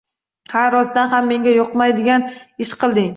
“Ha, rostdan ham menga yoqmaydigan ish qilding!